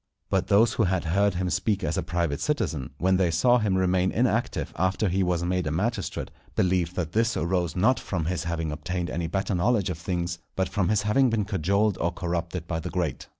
But those who had heard him speak as a private citizen, when they saw him remain inactive after he was made a magistrate, believed that this arose not from his having obtained any better knowledge of things, but from his having been cajoled or corrupted by the great.